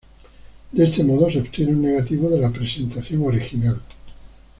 De este modo se obtiene un "negativo de la presentación original".